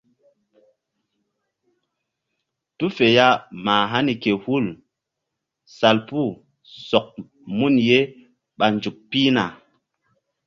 Tu fe ya ma hani ke hul salpu sɔk mun ye ɓa nzuk pihna.